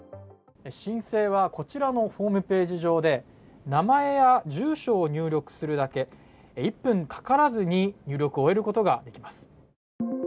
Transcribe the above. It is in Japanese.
申請はこちらのホームページ上で名前や住所を入力するだけ１分かからずに入力を終えることができます。